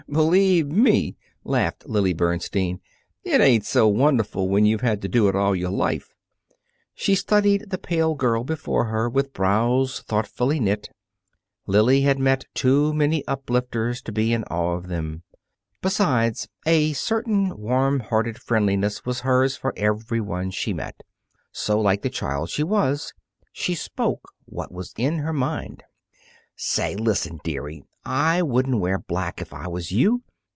"Believe me," laughed Lily Bernstein, "it ain't so wonderful when you've had to do it all your life." She studied the pale girl before her with brows thoughtfully knit. Lily had met too many uplifters to be in awe of them. Besides, a certain warm hearted friendliness was hers for every one she met. So, like the child she was, she spoke what was in her mind: "Say, listen, dearie. I wouldn't wear black if I was you.